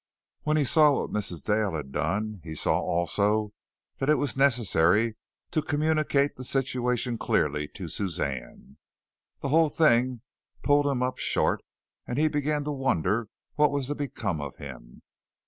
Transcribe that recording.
When he saw what Mrs. Dale had done, he saw also that it was necessary to communicate the situation clearly to Suzanne. The whole thing pulled him up short, and he began to wonder what was to become of him.